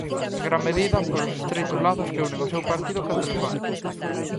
En gran medida, polos estreitos lazos que unen ao seu partido coa telefónica.